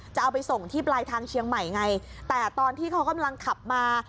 จะเอาไปส่งที่ปลายทางเชียงใหม่ไงแต่ตอนที่เขากำลังขับมา